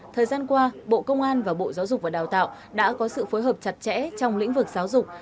thời gian qua bộ công an và bộ giáo dục và đào tạo đã có sự phối hợp chặt chẽ trong lĩnh vực giáo dục